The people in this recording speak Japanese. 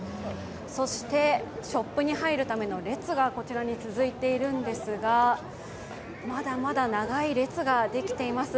そして、ショップに入るための列がこちらに続いているんですがまだまだ長い列ができています。